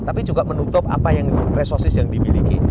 tapi juga menutup apa yang resosis yang dimiliki